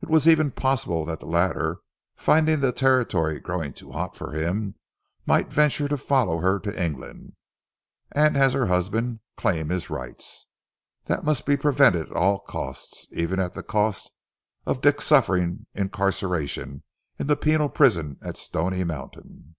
It was even possible that the latter, finding the Territory growing too hot for him, might venture to follow her to England, and as her husband claim his rights. That must be prevented at all costs, even at the cost of Dick suffering incarceration in the penal prison at Stony Mountain.